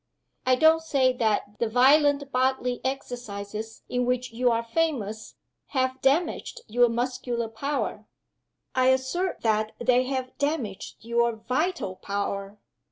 I don't say that the violent bodily exercises in which you are famous have damaged your muscular power. I assert that they have damaged your vital power.